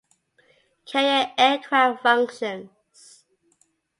Carrier aircraft functions.